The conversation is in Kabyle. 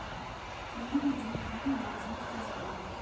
Yenna-iyi-d Yuba ad reẓmeɣ tazewwut.